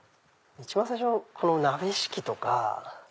一番最初この鍋敷きとか。